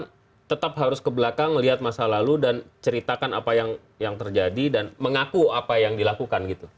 jadi sebabnya sebab harus ke belakang melihat masa lalu dan ceritakan apa yang terjadi dan mengaku apa yang dilakukan gitu